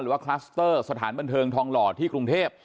คลัสเตอร์สถานบันเทิงทองหล่อที่กรุงเทพ